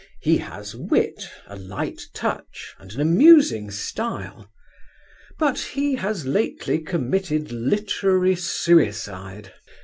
He has wit, a light touch and an amusing style. But he has lately committed literary suicide.